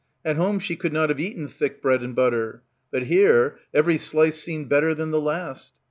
At home she could not have eaten thick bread and butter. But here every slice seemed better than the last.